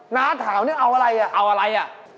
น้าถาวนี่เอาอะไรอ่ะ